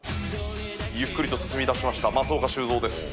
ゆっくりと進みだしました松岡修造です。